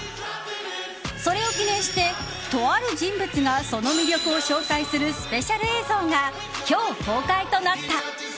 それを記念して、とある人物がその魅力を紹介するスペシャル映像が今日公開となった。